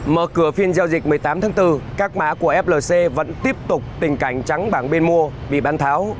mở cửa phiên giao dịch một mươi tám tháng bốn các mã của flc vẫn tiếp tục tình cảnh trắng bảng bên mua vì bán tháo